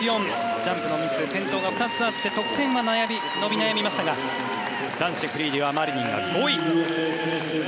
ジャンプのミス転倒が２つあって得点は伸び悩みましたが男子フリーではマリニンが５位。